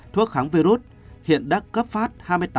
thuốc kháng virus hiện đã cấp phát hai mươi tám năm trăm tám mươi